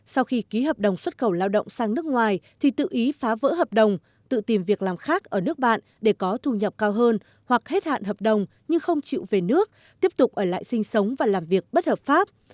sau khi ký hợp đồng xuất khẩu lao động sang nước ngoài thì tự ý phá vỡ hợp đồng tự tìm việc làm khác ở nước bạn để có thu nhập cao hơn hoặc hết hạn hợp đồng nhưng không chịu về nước tiếp tục ở lại sinh sống và làm việc bất hợp pháp